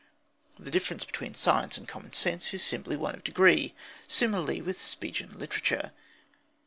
The difference between science and common sense is simply one of degree; similarly with speech and literature.